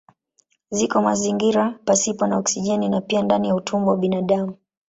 Ziko mazingira pasipo na oksijeni na pia ndani ya utumbo wa binadamu.